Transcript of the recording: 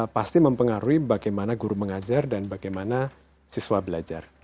pasti mempengaruhi bagaimana guru mengajar dan bagaimana siswa belajar